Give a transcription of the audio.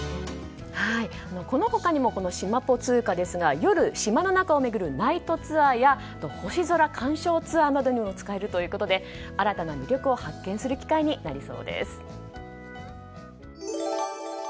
この他にも、しまぽ通貨ですが夜、島の中を巡るナイトツアーや星空観賞ツアーなどにも使えるということで新たな魅力を発見する機会になりそうです。